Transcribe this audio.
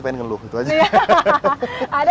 kalian tahu apa itu karyanya ini